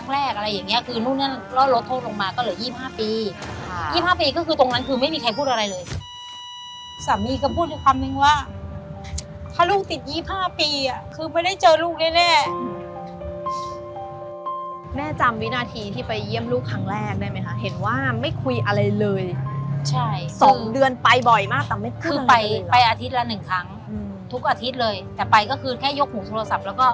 แล้วรถโทษลงมาก็เหลือ๒๕ปี๒๕ปีก็คือตรงนั้นคือไม่มีใครพูดอะไรเลยสามีก็พูดความหนึ่งว่าถ้าลูกติด๒๕ปีอะคือไม่ได้เจอลูกแน่แม่จำวินาทีที่ไปเยี่ยมลูกครั้งแรกได้ไหมคะเห็นว่าไม่คุยอะไรเลยใช่สองเดือนไปบ่อยมากแต่ไม่พูดอะไรเลยคือไปอาทิตย์ละหนึ่งครั้งทุกอาทิตย์เลยแต่ไปก็คือแค่ยกหูโทรศ